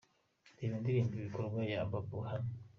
Reba indirimbo Ibikorwa ya Babou hano:.